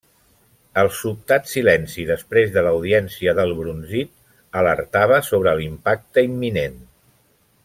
El sobtat silenci després de l'audiència del brunzit, alertava sobre l'impacte imminent.